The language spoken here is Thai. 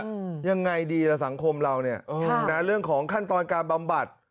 อืมยังไงดีล่ะสังคมเราเนี้ยค่ะนะเรื่องของขั้นตอนการบำบัด